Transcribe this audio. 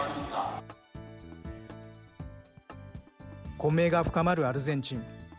混迷が深まるアルゼンチン。